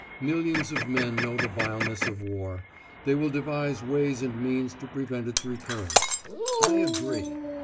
Millions of men know the vileness of war; they will devise ways and means to prevent its recurrence. I agree.